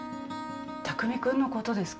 匠君のことですか？